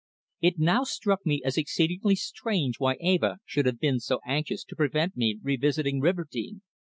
It now struck me as exceedingly strange why Eva should have been so anxious to prevent me revisiting Riverdene.